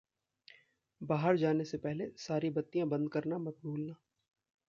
बहार जाने से पहले सारी बत्तियाँ बंद करना मत भूलना।